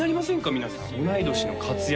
皆さん同い年の活躍